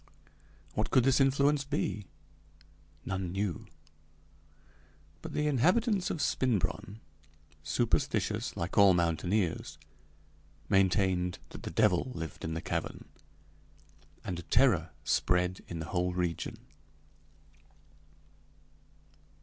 What could this influence be? None knew. But the inhabitants of Spinbronn, superstitious like all mountaineers, maintained that the devil lived in the cavern, and terror spread in the whole region.